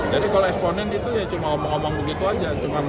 jadi kalau eksponen itu ya cuma ngomong ngomong begitu saja